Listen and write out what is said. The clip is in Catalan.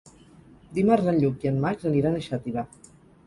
Dimarts en Lluc i en Max aniran a Xàtiva.